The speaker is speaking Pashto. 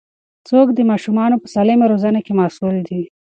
څوک د ماشومانو په سالمې روزنې کې مسوول دي؟